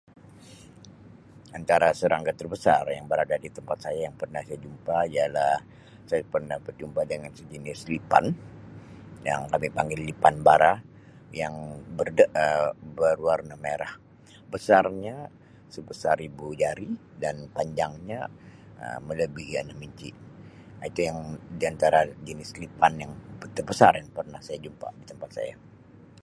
Antara serangga terbesar yang berada di tempat saya yang pernah saya jumpa ialah saya pernah berjumpa dengan sejenis lipan yang kami panggil lipan bara yang ber de Um yang berwarna merah besarnya sebesar ibu jari dan panjangnya Um melebihi enam inchi Um itu yang di antara jenis lipan yang terbesar yang pernah saya jumpa di tempat saya.